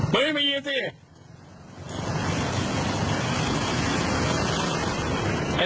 มันไม่มีอีกสิ